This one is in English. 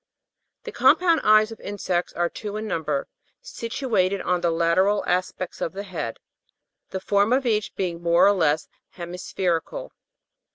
" The compound eyes of insects are two in number, situated on the lateral aspects of the head, the form of each being more or less hemispherical.